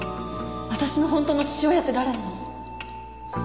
私の本当の父親って誰なの？